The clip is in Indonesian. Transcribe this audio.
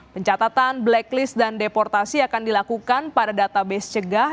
pencatatan blacklist dan deportasi akan dilakukan pada database cegah